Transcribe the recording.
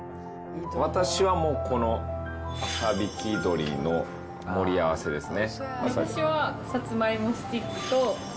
私はもう、この朝挽きどりの盛り合わせですね。